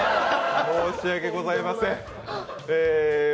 申し訳ございません。